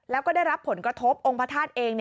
แล้วก็ได้รับผลกระทบองค์พระธาตุเอง